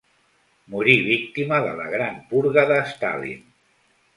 Morí víctima de la Gran Purga de Stalin.